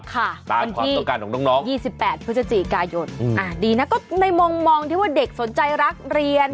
ตามความต้องการของน้อง๒๘พฤศจิกายนดีนะก็ในมุมมองที่ว่าเด็กสนใจรักเรียน